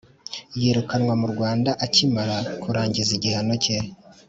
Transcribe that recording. yirukanwa mu rwanda akimara kurangiza igihano cye.